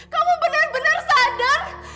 kamu benar benar sadar